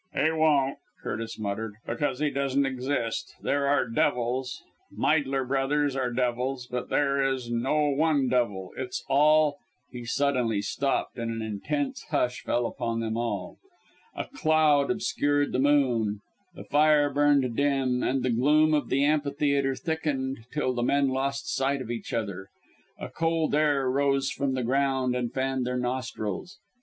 "He won't!" Curtis muttered, "because he doesn't exist. There are devils Meidler Brothers were devils but there is no one devil! It's all " He suddenly stopped and an intense hush fell upon them all. A cloud obscured the moon, the fire burned dim, and the gloom of the amphitheatre thickened till the men lost sight of each other. A cold air then rose from the ground and fanned their nostrils.